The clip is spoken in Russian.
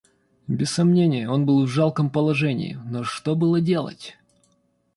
Без сомнения, он был в жалком положении, но что было делать?